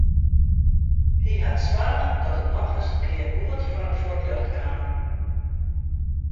Hy hat soarge dat it nochris in kear goed foar it fuotljocht kaam.